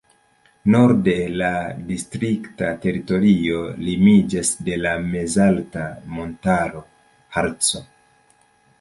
Norde la distrikta teritorio limiĝas de la mezalta montaro Harco.